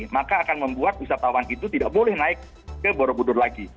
maka akan membuat wisatawan itu tidak boleh naik ke borobudur lagi